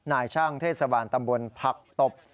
นายช่างเทศบาลตำบลผักตบ